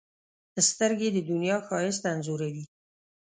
سترګې د دنیا ښایست انځوروي